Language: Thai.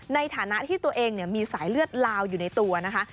ในฐานะที่ตัวเองมีสายเลือดลาวอยู่ในตัวนะคะ